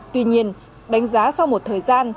tuy nhiên đánh giá sau một thời gian